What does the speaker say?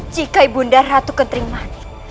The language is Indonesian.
jika ibu nda ratu kentering mani